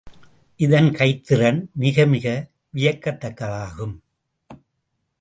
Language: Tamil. இதன் கைத்திறன் மிகமிக வியக்கத்தக்கதாகும்.